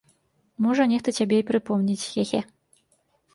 Можа, нехта цябе і прыпомніць, хе-хе.